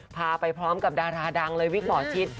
พาไปพร้อมกับดาราดังเลยวิกหมอชิด